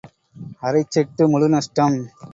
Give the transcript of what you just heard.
அரைச் set முழு நஷ்டம்.